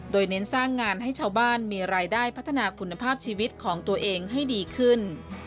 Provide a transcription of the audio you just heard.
โดยเน้นสร้างงานให้ชาวบ้านมีรายได้พัฒนาคุณภาพชีวิตของตัวเองให้ดีขึ้น